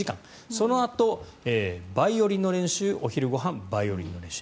そのあと、バイオリンの練習お昼ご飯、バイオリンの練習。